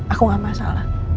aku gak masalah